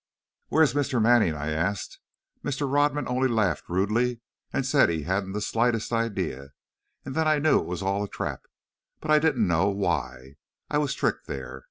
"'Where is Mr. Manning?' I asked. Mr. Rodman only laughed rudely and said he hadn't the slightest idea. And then I knew it was all a trap, but I didn't know why I was tricked there.